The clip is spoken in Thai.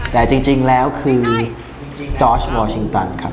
แต่จริงแล้วคือจอร์ชวอร์ชิงตันครับ